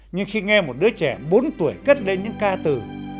nhưng khi nghe một đứa trẻ bốn tuổi cất lên những ca từ